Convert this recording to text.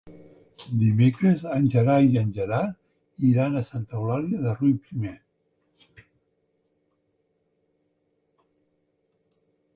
Dimecres en Gerai i en Gerard iran a Santa Eulàlia de Riuprimer.